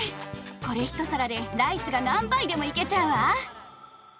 これ１皿でライスが何杯でもいけちゃうわ！